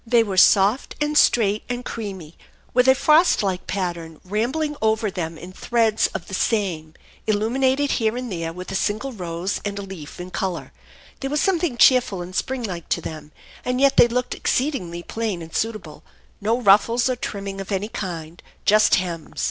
They were soft and straight THE ENCHANTED BARN and creamy, with a frost like pattern rambling over them in threads of the same, illuminated here and there with a single rose and a leaf in color. There was something cheer ful and spring like to them, and yet they looked exceedingly plain and suitable, no ruffles or trimming of any kind, just hems.